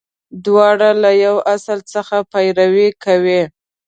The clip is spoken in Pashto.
• دواړه له یوه اصل څخه پیروي کوي.